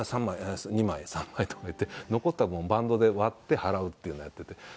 「３枚２枚３枚」とかいって残った分をバンドで割って払うっていうのをやってて。